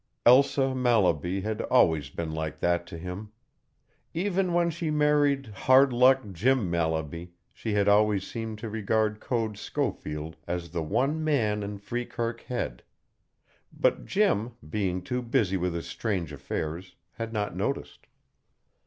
Elsa Mallaby had always been like that to him. Even when she married "Hard Luck" Jim Mallaby she had always seemed to regard Code Schofield as the one man in Freekirk Head. But Jim, being too busy with his strange affairs, had not noticed.